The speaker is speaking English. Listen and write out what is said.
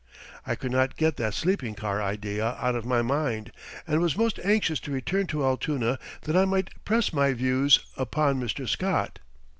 I could not get that sleeping car idea out of my mind, and was most anxious to return to Altoona that I might press my views upon Mr. Scott.